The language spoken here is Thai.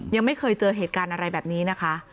ยังไม่เคยเจอเหตุการณ์อะไรแบบนี้นะคะ